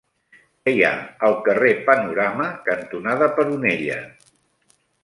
Què hi ha al carrer Panorama cantonada Peronella?